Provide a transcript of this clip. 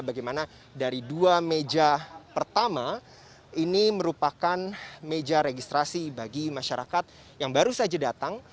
bagaimana dari dua meja pertama ini merupakan meja registrasi bagi masyarakat yang baru saja datang